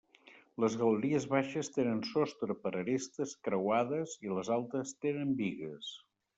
Les galeries baixes tenen sostre per arestes creuades i les altes tenen bigues.